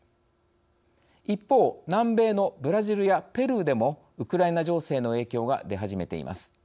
一方、南米のブラジルやペルーでも、ウクライナ情勢の影響が出始めています。